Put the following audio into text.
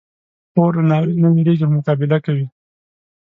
خور له ناورین نه وېریږي، خو مقابله کوي.